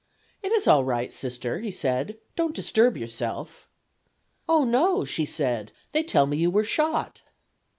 "It is all right, Sister," he said; "don't disturb yourself." "Oh, no," she said, "they tell me you were shot."